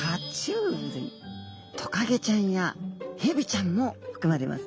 トカゲちゃんやヘビちゃんも含まれます。